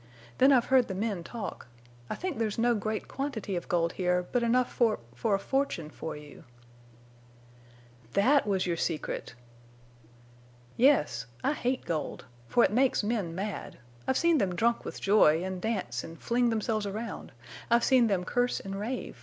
Then I've heard the men talk. I think there's no great quantity of gold here, but enough for—for a fortune for you." "That—was—your—secret!" "Yes. I hate gold. For it makes men mad. I've seen them drunk with joy and dance and fling themselves around. I've seen them curse and rave.